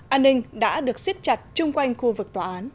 an ninh đã được xiết chặt chung quanh khu vực